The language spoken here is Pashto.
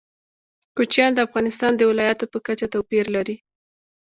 کوچیان د افغانستان د ولایاتو په کچه توپیر لري.